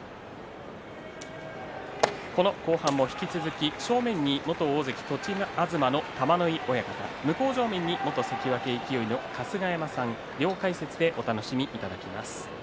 この後半も引き続き正面に元大関栃東の玉ノ井親方向正面に元関脇勢の春日山さん両解説でお楽しみいただきます。